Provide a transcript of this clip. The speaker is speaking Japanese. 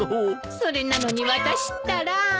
それなのに私ったら。